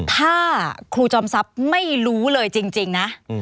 ถ้าครูจอมทรัพย์ไม่รู้เลยจริงนะ